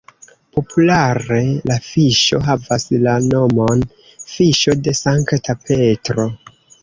Populare la fiŝo havas la nomon "fiŝo de Sankta Petro".